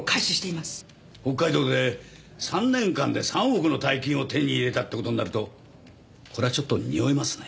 北海道で３年間で３億の大金を手に入れたって事になるとこれはちょっとにおいますね。